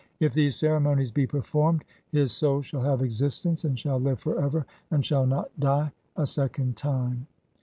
IF THESE CEREMONIES BE PERFORMED HIS SOUL SHALL HAVE EXISTENCE, AND SHALL LIVE FOR EVER, AND SHALL NOT DIE (41) A SECOND TIME.